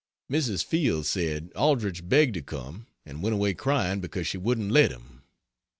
Mrs. Fields said Aldrich begged to come and went away crying because she wouldn't let him.